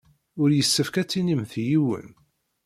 Ur yessefk ad tinimt i yiwen.